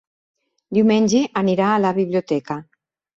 Diumenge anirà a la biblioteca.